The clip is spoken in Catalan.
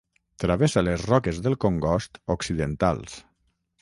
Travessa les Roques del Congost occidentals.